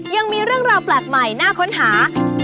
ยังมีเรื่องราวแปลกใหม่น่าค้นหา